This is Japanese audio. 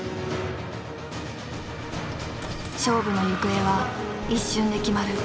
勝負の行方は一瞬で決まる。